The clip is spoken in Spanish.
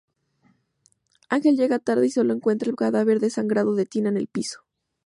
Ángel llega tarde y solo encuentra el cadáver desangrado de Tina en el piso.